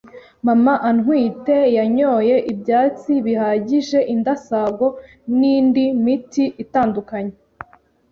Mama antwite yanyoye ibyatsi bihagije, indasago n’indi miti itandukanye,